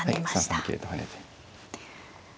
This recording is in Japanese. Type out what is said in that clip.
３三桂と跳ねて。